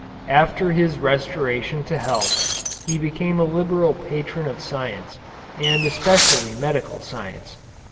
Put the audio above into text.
After his restoration to health he became a liberal patron of science and especially medical science.